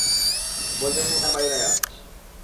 বজ্রের ন্যায় তার বায়ুর আওয়াজ।